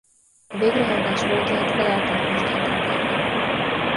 A végrehajtás módját a játékos döntheti el.